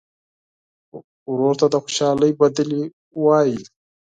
ورور ته د خوشحالۍ سندرې وایې.